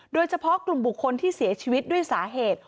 โดยเฉพาะกลุ่มบุคคลที่เสียชีวิตด้วยสาเหตุ